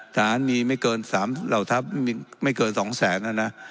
ทหารมีไม่เกิน๒แสนแล้วนะ